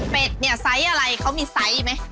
เนี่ยไซส์อะไรเขามีไซส์ไหม